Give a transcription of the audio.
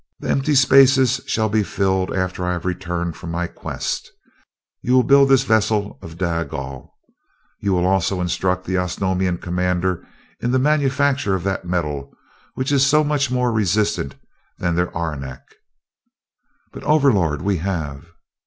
"The empty spaces shall be filled after I have returned from my quest. You will build this vessel of dagal. You will also instruct the Osnomian commander in the manufacture of that metal, which is so much more resistant than their arenak." "But, Overlord, we have...."